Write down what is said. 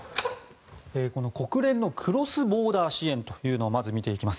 国連のクロスボーダー支援というのをまず見ていきます。